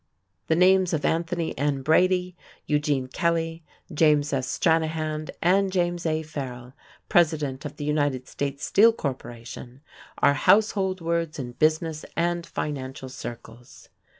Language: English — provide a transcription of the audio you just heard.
The names of Anthony N. Brady, Eugene Kelly, James S. Stranahan, and James A. Farrell, president of the United States Steel Corporation, are household words in business and financial circles.